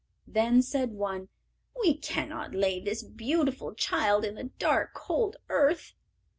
Then said one, "We cannot lay this beautiful child in the dark, cold earth."